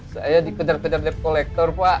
saya dikejar kejar dep kolektor pak